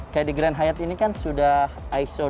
kayak di grand hyatt ini kan sudah iso dua puluh dua ribu